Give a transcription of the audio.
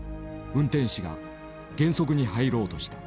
運転士が減速に入ろうとした。